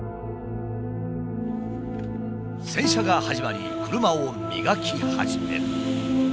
洗車が始まり車を磨き始める。